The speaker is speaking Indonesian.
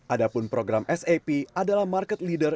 adapun program sap adalah market leader